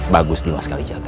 bagus di maskalijaga